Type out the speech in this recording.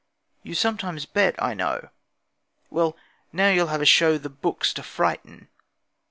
'You sometimes bet, I know, Well, now you'll have a show The 'books' to frighten.